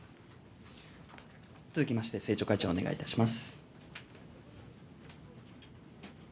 続きまして政調会長お願いいたします。